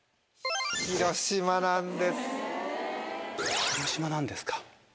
広島なんです。